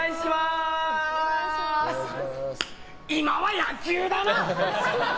今は野球だな！